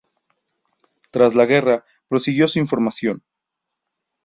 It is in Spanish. Tras la guerra, prosiguió su formación.